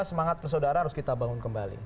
semangat persaudaraan harus kita bangun kembali